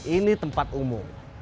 ini tempat umum